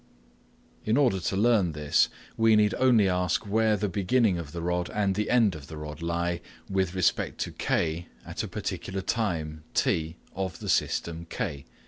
In order to learn this, we need only ask where the beginning of the rod and the end of the rod lie with respect to K at a particular time t of the system K.